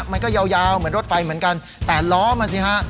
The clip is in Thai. มันก็ยาวยาวเหมือนรถไฟเหมือนกันแต่ล้อมันสิฮะ